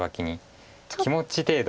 気持ち程度。